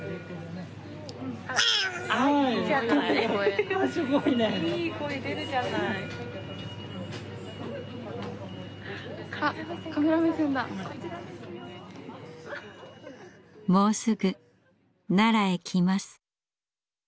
もうすぐ奈良へ来ます。